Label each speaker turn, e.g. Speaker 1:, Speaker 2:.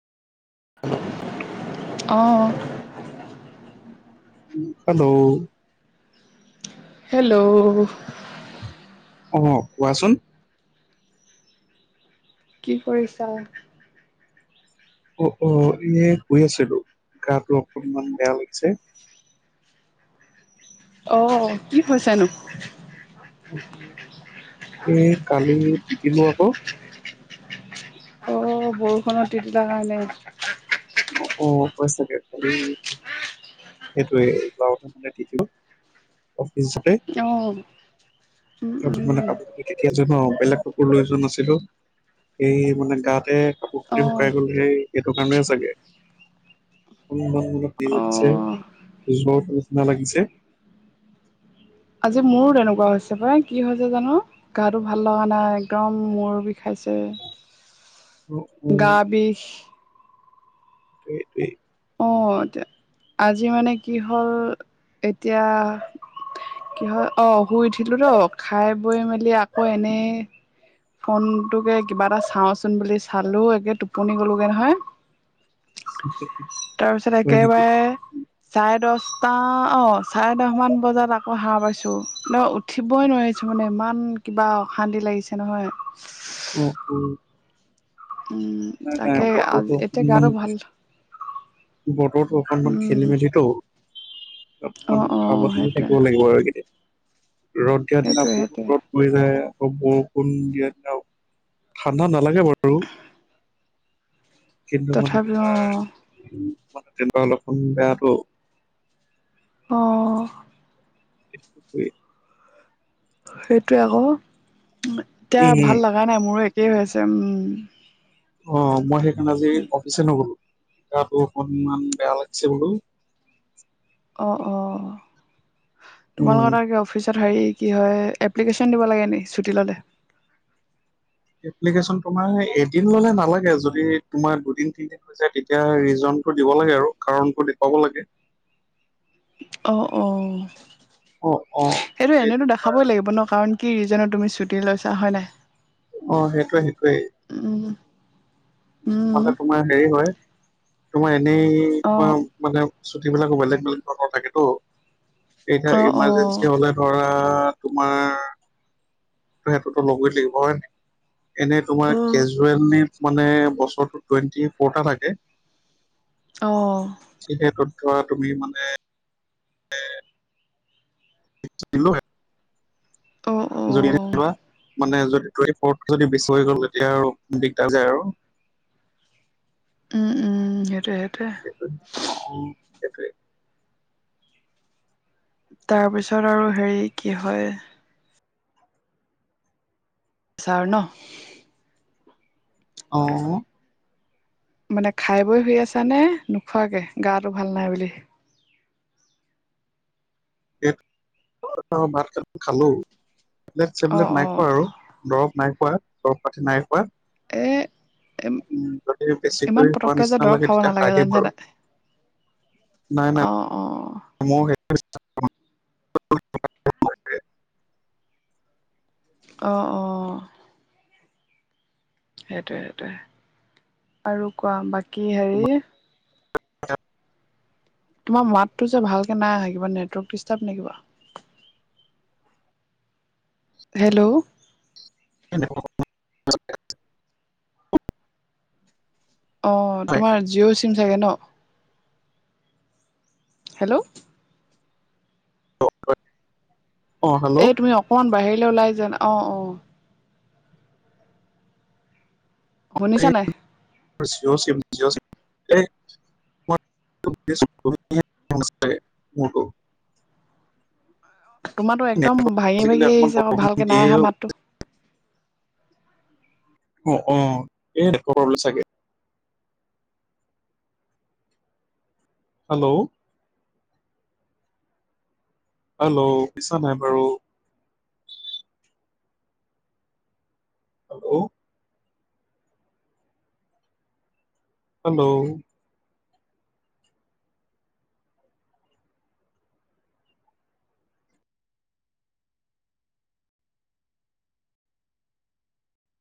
Speaker 1: Hello?
Speaker 2: অ।
Speaker 1: Hello?
Speaker 2: Hello.
Speaker 1: অ কোৱাচোন?
Speaker 2: কি কৰিছা?
Speaker 1: অ অ এ শুই আছিলো, গাটো অকনমান বেয়া লাগিছে।
Speaker 2: অ, কি হৈছেনো?
Speaker 1: এ কালি তিতিলো আক।
Speaker 2: অ বৰষুণত তিতিলা কাৰণে।
Speaker 1: অ অ হৈ চাগে, কালি সেইটোৱে বৰষুণ দিলে তিতিলোঁ অফিচ উম
Speaker 2: অ', উম,
Speaker 1: কাপোৰ মানে
Speaker 2: উম,
Speaker 1: কা তিতি আছোঁ ন বেলেগ কাপোৰ লৈ যোৱা নাছিলো। এই মানে গাতে কাপোৰ - কানি
Speaker 2: অ',
Speaker 1: শুকাই গ'ল সেই এইটো কাৰণে চাগে।
Speaker 2: অ',
Speaker 1: [unintelligible]
Speaker 2: আজি মোৰো তেনেকুৱা হৈছে পাই কি হৈছে জানো? গাটো ভাল লগা নাই একদম মূৰ বিখাইছে।
Speaker 1: অ অ
Speaker 2: গা বিষ।
Speaker 1: এইটোৱেই।
Speaker 2: অ এতিয়া আজি মানে কি হ'ল এতিয়া কি হয় অ শুই উঠিলোটৌ খাই বৈ মেলি আকৌ এনে ফোনটোকে কিবা এটা চাওঁচোন বুলি চালো একে টোপনি গ'লোগে নহয়।
Speaker 1: [unintelligible]
Speaker 2: তাৰপিছত
Speaker 1: হয় নেকি
Speaker 2: একেবাৰে চাৰে দচটা অ চাৰে দচমান বজাত আকৌ সাৰ পাইছো ন উ ঠিবই নোৱাৰিছোঁ মানে ইমান কিবা অশান্তি লাগিছে নহয়।
Speaker 1: অঁ, হু।
Speaker 2: উম।
Speaker 1: নাই নাই
Speaker 2: তাকে আজি
Speaker 1: বতৰটো
Speaker 2: এতিয়া গাটো
Speaker 1: অকনমান
Speaker 2: ভাল
Speaker 1: বতৰতো অকনমান
Speaker 2: উম
Speaker 1: খেলি মেলিতো', অ অকমান
Speaker 2: অ
Speaker 1: সাৱধানে
Speaker 2: সেইটোৱে
Speaker 1: থাকিব লাগিব আৰু এইকেইদিন। ৰদ দিয়াৰ দিনা
Speaker 2: সেইটোৱে সেইটোৱে
Speaker 1: বহুত ৰ হৈ যায় আকৌ বৰষুণ দিয়া দি ঠাণ্ডা নালাগে বাৰু। কিন্তু মানে
Speaker 2: তথাপি অ
Speaker 1: তোমাৰ মানে তেনেকুৱা অলপমান বেয়াটো।
Speaker 2: অঁহ।
Speaker 1: ই
Speaker 2: সেইটোৱে আকৌ এতিয়া
Speaker 1: এ
Speaker 2: ভাল লগা নাই মোৰো একেই হৈ আছে উম।
Speaker 1: অ মই সেইকাৰণে আজি অফিচ নগলো, গো অকনমান বেয়া লাগিছে বোলো।
Speaker 2: অঁ অঁ
Speaker 1: উম
Speaker 2: তোমালোকৰ তাকে অফিচত হেৰি কি হয়, এপ্লিকেশ্যন দিব লাগে নেকি ছুটি ল'লে?
Speaker 1: এপ্লিকেশ্যন তোমাৰ এদিন ল'লে নালাগে যদি তোমাৰ দুদিন, তিনিদিন যেতিয়া দিগদাৰ হয় ৰিজনটো দিব লাগে আৰু কাৰণটো দেখুৱাব লাগে।
Speaker 2: অ', অ
Speaker 1: অ অ
Speaker 2: এইটো
Speaker 1: এই
Speaker 2: এনেতো দ
Speaker 1: তোমাৰ
Speaker 2: হবই লাগিব ন কাৰণ কি ৰিজনত তুমি ছুটি লৈছা হয় নাই?
Speaker 1: অ' সেইটোয়ে সেইটোয়ে।
Speaker 2: [inaudible] উম
Speaker 1: মানে তোমাৰ হেৰি হয় তোমাৰ এনেই
Speaker 2: অ
Speaker 1: তোমাৰ। মানে চুটি বিলাকো বেলেগ বেলেগ ধৰণৰ থাকেতো
Speaker 2: অ
Speaker 1: এতিয়া
Speaker 2: অ
Speaker 1: ইমাৰ্জেঞ্চি হ'লে। ধৰা তোমাৰ সেইটোতো লই লাগিব হয় নাই? এনেই
Speaker 2: অ
Speaker 1: তোমাৰ মানে বছৰো টুৱেণ্টি ফ'ৰটা থাকে।
Speaker 2: অ'।
Speaker 1: যিহেতু ধৰা তুমি মানে [unintelligible]
Speaker 2: অ'। অ
Speaker 1: যদি লোৱা মানে যদি ত যদি বিচৰি গ'ল তেতিয়া আৰু দিগদাৰ যায় আৰু।
Speaker 2: উম, উম সেইটোৱে সেইটোৱে।
Speaker 1: অ, অ, সেইটোৱেই।
Speaker 2: তাৰপিছত আৰু হেৰি কি হয়। চাৰ ন'
Speaker 1: অ'।
Speaker 2: মানে খাই, বৈ শুই আছা নে নোখোৱাকে গাটো ভাল নাই বুলি?
Speaker 1: ভাত ক খালো
Speaker 2: অ
Speaker 1: টেবলেট-চেবলেট
Speaker 2: অ
Speaker 1: নাই খোৱা আৰু। দৰৱ নাই খোৱা, দৰৱ পাতি নাই খোৱা।
Speaker 2: এ
Speaker 1: যদি
Speaker 2: ইমান
Speaker 1: বেছিকৈ হোৱা
Speaker 2: পতককে যে
Speaker 1: নিচিনা
Speaker 2: দৰৱ
Speaker 1: লাগে
Speaker 2: খাব
Speaker 1: তেতিয়া
Speaker 2: নালাগে
Speaker 1: খাই দিম
Speaker 2: জানিছা
Speaker 1: আৰু।
Speaker 2: নাই
Speaker 1: নাই-নাই।
Speaker 2: অ অ'।
Speaker 1: মোৰ [unintelligible]
Speaker 2: অ, অ। সেইটোয়ে -সেইটোয়ে আৰু কোৱা বাকী
Speaker 1: তোমাৰ
Speaker 2: হেৰি তোমাৰ মাতটো যে ভালকে নাই আহা কিবা নেটৱৰ্ক ডিষ্টাৰ্ব নে কিবা হেল্ল'।
Speaker 1: [unintelligible]
Speaker 2: অ, তোমাৰ জিঅ' চিম চাগৈ ন' হেল্ল'।
Speaker 1: অ, হেল্ল'।
Speaker 2: এই তুমি অকমান বাহিৰ ওলাই যোৱা না অ, অ'। শুনিছা নাই?
Speaker 1: মোৰ জিঅ' চিম জিঅ' চিম এই [unintelligible]
Speaker 2: তোমাৰো একদম ভঙি,
Speaker 1: আজিকালি
Speaker 2: ভাঙি
Speaker 1: অকমান
Speaker 2: আহিছে আকৌ
Speaker 1: প্ৰব্লেম
Speaker 2: ভালকে
Speaker 1: দিয়ে
Speaker 2: নাই
Speaker 1: অ।
Speaker 2: আহা মাত।
Speaker 1: অ, অ [unintelligible] চাগে। হেল্ল। হেল্ল', শুনিছা নাই বাৰু। হেল্ল'। হেল্ল'।